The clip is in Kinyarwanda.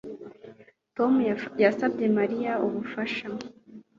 Tom yasabye Mariya ubufasha